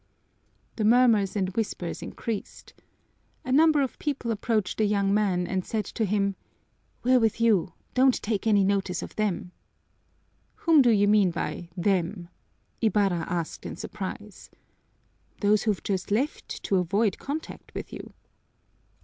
The murmurs and whispers increased. A number of people approached the young man and said to him, "We're with you, don't take any notice of them." "Whom do you mean by them?" Ibarra asked in surprise. "Those who've just left to avoid contact with you."